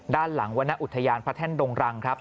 ด้านหลังวรรณอุทยานพระแท่นดงรังครับ